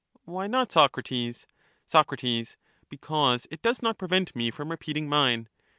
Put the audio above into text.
Why not, Socrates ? Soc. Because it does not prevent me from repeating mine.